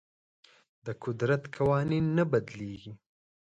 د قدرت قوانین نه بدلیږي.